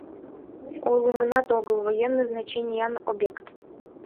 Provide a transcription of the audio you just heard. — Ойлыманат огыл, военный значениян обект!